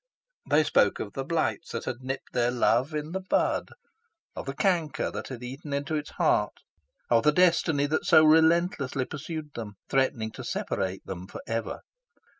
They spoke of the blights that had nipped their love in the bud of the canker that had eaten into its heart of the destiny that so relentlessly pursued them, threatening to separate them for ever.